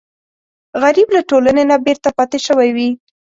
غریب له ټولنې نه بېرته پاتې شوی وي